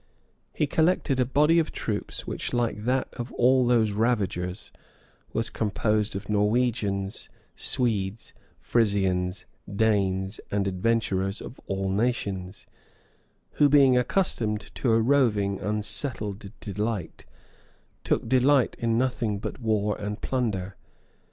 He collected a body of troops, which, like that of all those ravagers, was composed of Norwegians, Swedes, Frisians, Danes, and adventurers of all nations, who being accustomed to a roving, unsettled life, took delight in nothing but war and plunder.